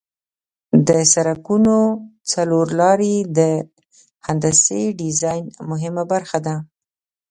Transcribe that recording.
د سرکونو څلور لارې د هندسي ډیزاین مهمه برخه ده